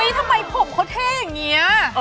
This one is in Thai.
ทำไมผมเขาเท่อย่างนี้